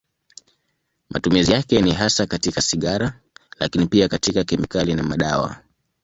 Matumizi yake ni hasa katika sigara, lakini pia katika kemikali na madawa.